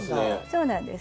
そうなんです。